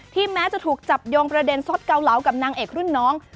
แม้จะถูกจับโยงประเด็นสดเกาเหลากับนางเอกรุ่นน้อง